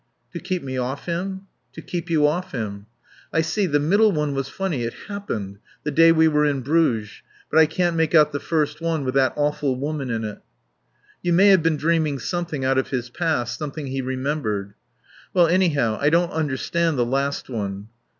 "To keep me off him?" "To keep you off him." "I see.... The middle one was funny. It happened. The day we were in Bruges. But I can't make out the first one with that awful woman in it." "You may have been dreaming something out of his past. Something he remembered." "Well anyhow I don't understand the last one."